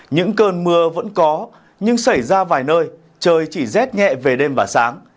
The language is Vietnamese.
những cơn mưa vẫn có nhưng xảy ra vài nơi trời chỉ rét nhẹ về đêm và sáng